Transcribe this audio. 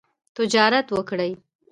تجارت وکړئ